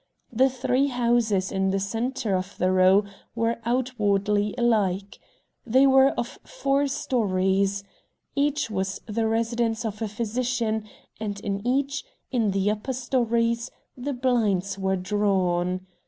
The three houses in the centre of the row were outwardly alike. They were of four stories. Each was the residence of a physician, and in each, in the upper stories, the blinds were drawn.